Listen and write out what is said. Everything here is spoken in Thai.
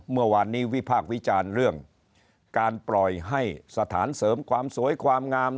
เมื่อวานนี้วิพากษ์วิจารณ์เรื่องการปล่อยให้สถานเสริมความสวยความงาม